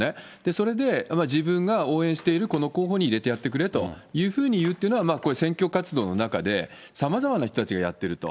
それで、自分が応援しているこの候補に入れてやってくれというふうに言うってのは、選挙活動の中で、さまざまな人たちがやっていると。